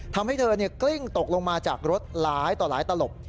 ทำให้เธอกลิ้งตกลงมาจากรถหลายต่อหลายตลบ